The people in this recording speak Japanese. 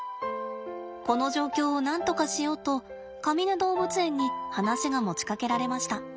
この状況をなんとかしようとかみね動物園に話が持ちかけられました。